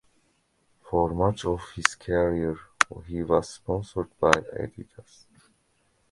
For much of his career he was sponsored by Adidas.